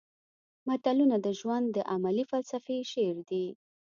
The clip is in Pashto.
متلونه د ژوند د عملي فلسفې شعر دي